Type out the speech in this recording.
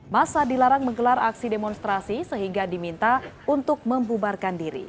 masa dilarang menggelar aksi demonstrasi sehingga diminta untuk membubarkan diri